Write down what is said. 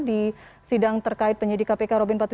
di sidang terkait penyidik kpk robin empat puluh lima